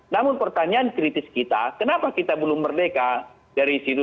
namun pertanyaan kritis kita kenapa kita belum merdeka dari situ